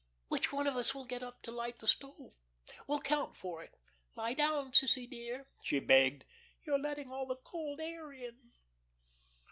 Which one of us will get up to light the stove? We'll count for it. Lie down, sissie, dear," she begged, "you're letting all the cold air in."